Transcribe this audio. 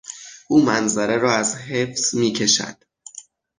او منظره را از حفظ میکشد.